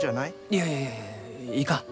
いやいやいやいかん。